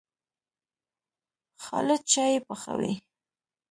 خالد چايي پخوي.